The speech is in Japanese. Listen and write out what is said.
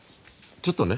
ちょっとね。